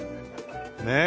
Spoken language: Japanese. ねえ。